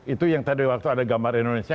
itu yang tadi waktu ada gambar indonesia